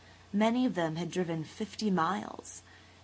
Many of them had driven fifty miles.